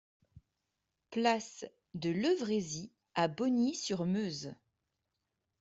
Place de Levrézy à Bogny-sur-Meuse